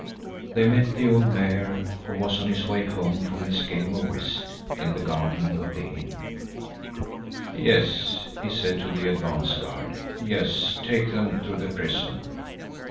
They met the old Mayor, who was on his way home from his game of whist in the garden of the inn. "Yes," he said to the advance guard,—"yes, take them to the prison."